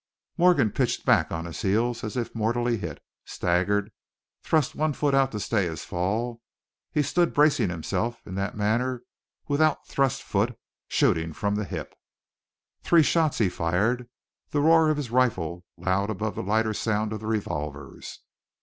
Morgan pitched back on his heels as if mortally hit, staggered, thrust one foot out to stay his fall. He stood bracing himself in that manner with out thrust foot, shooting from the hip. Three shots he fired, the roar of his rifle loud above the lighter sound of the revolvers.